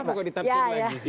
kenapa kok ditarik lagi sih